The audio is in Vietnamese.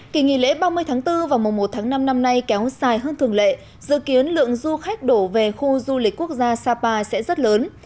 kỳ nghỉ lễ ba mươi tháng bốn và mùa một tháng năm năm nay kéo dài hơn thường lệ dự kiến lượng du khách đổ về khu du lịch quốc gia sapa sẽ rất lớn